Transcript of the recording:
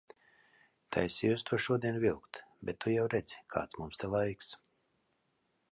Taisījos to šodien vilkt, bet tu jau redzi, kāds mums te laiks.